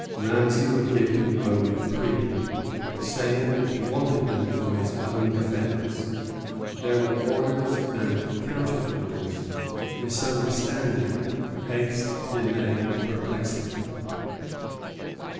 Ramesay would give him only three, saying that he wanted them for his own defence. There were orders and counter orders; misunderstanding, haste, delay, perplexity.